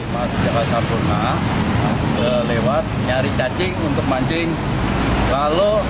mas jawa sabunah lewat mencari cacing untuk mancing